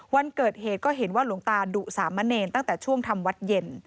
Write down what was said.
วันเกิดเหตุก็เห็นว่าหลวงตาดุสามะเนรตั้งแต่ช่วงทำวัดเย็น